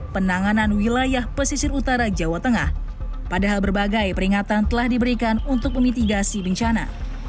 penanganan wilayah pesisir utara jawa tengah padahal berbagai peringatan telah diberikan untuk memitigasi bencana